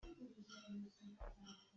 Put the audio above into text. Kan tiam bia ka let lai lo.